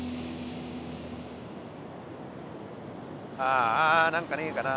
ああ何かねえかな。